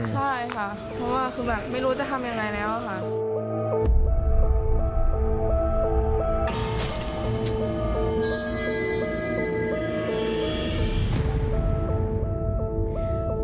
ใช่ค่ะเพราะว่าคือแบบไม่รู้จะทำยังไงแล้วค่ะ